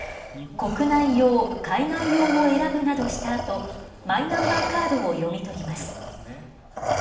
国内用、海外用を選ぶなどしたあと、マイナンバーカードを読み取ります。